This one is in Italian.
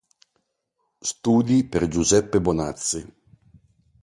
Studi per Giuseppe Bonazzi